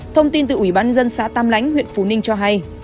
thông tin từ ủy ban dân xã tam lãnh huyện phú ninh cho hay